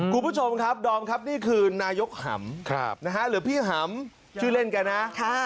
คุณผู้ชมครับดอมครับนี่คือนายกหำหรือพี่หำชื่อเล่นแกนะ